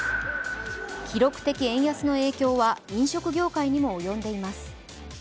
記録的円安の影響は飲食業界にも及んでいます。